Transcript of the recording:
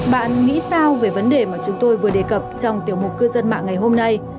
bạn nghĩ sao về vấn đề mà chúng tôi vừa đề cập trong tiểu mục cư dân mạng ngày hôm nay